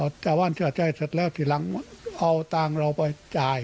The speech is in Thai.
ชาวบ้านเชื่อใจเสร็จแล้วทีหลังเอาตังค์เราไปจ่าย